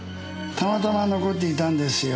たまたま残っていたんですよ。